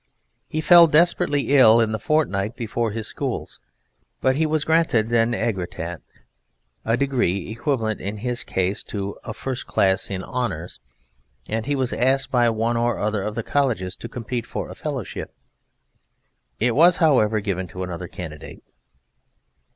He fell desperately ill in the fortnight before his schools, but he was granted an aegrotat, a degree equivalent in his case to a First Class in Honours, and he was asked by one or other of the Colleges to compete for a Fellowship; it was, however, given to another candidate.